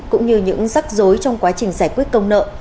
cũng như những rắc rối trong quá trình giải quyết công nợ